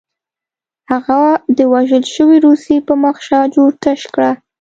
هغه د وژل شوي روسي په مخ شاجور تشه کړه